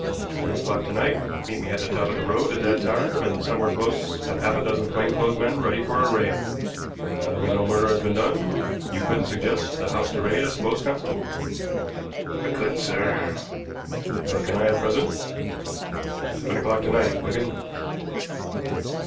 Seven o'clock to night meet me at the top of the road at that time, and somewhere close have half a dozen plain clothes men ready for a raid. Now that we know murder has been done, you couldn't suggest a house to raid, I suppose, constable." "I couldn't, sir." "Nor can I at present. Seven o'clock to night, Wigan."